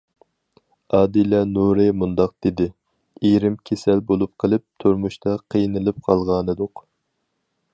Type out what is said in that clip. ئادىلە نۇرى مۇنداق دېدى: ئېرىم كېسەل بولۇپ قىلىپ، تۇرمۇشتا قىينىلىپ قالغانىدۇق.